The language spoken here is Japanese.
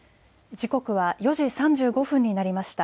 時刻は４時３５分になりました。